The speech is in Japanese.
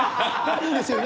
いいんですよね？